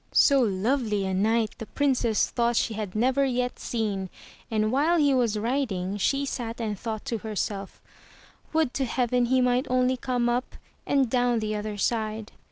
So lovely a knight the Princess thought she had never yet seen, and while he was riding she sat and thought to herself — ''Would to heaven he might only come up, and down the other side.''